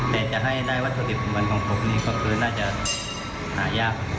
แต่จะให้ได้วัตถุดิบของผมก็คือน่าจะอาหารยาก